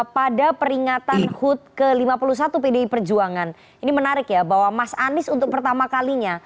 pada peringatan hud ke lima puluh satu pdi perjuangan ini menarik ya bahwa mas anies untuk pertama kalinya